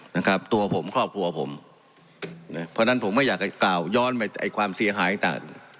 นะครับตัวผมครอบครัวผมน่ะพอดันผมไม่อยากแก่ต่าวย้อนไปไอความเสียหายฝั่ง